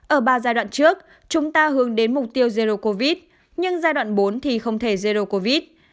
ở ba giai đoạn trước chúng ta hướng đến mục tiêu zero covid nhưng giai đoạn bốn thì không thể jero covid